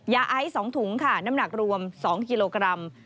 ยาไอซ์๒ถุงค่ะน้ำหนักรวม๒กิโลกรัม